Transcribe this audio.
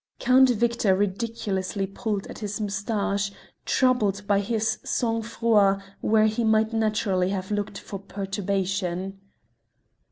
Count Victor ridiculously pulled at his moustache, troubled by this sang froid where he might naturally have looked for perturbation.